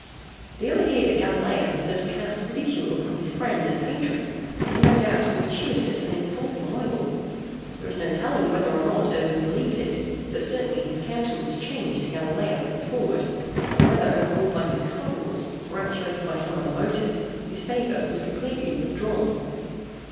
The idea that Galileo had thus cast ridicule upon his friend and patron is no doubt a gratuitous and insulting libel: there is no telling whether or not Urban believed it, but certainly his countenance changed to Galileo henceforward, and whether overruled by his Cardinals, or actuated by some other motive, his favour was completely withdrawn.